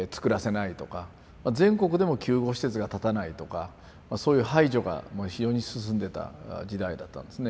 全国でも救護施設が建たないとかそういう排除が非常に進んでた時代だったんですね。